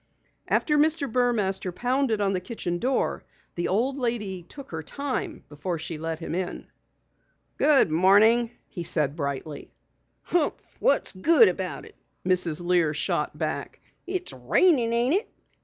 After Mr. Burmaster pounded on the kitchen door, the old lady took her time before she let him in. "Good morning," he said brightly. "Humph! What's good about it?" Mrs. Lear shot back. "It's rainin', ain't it?